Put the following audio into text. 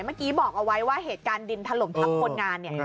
เมื่อกี้บอกเอาไว้ว่าเหตุการณ์ดินถล่มทับคนงานเนี่ย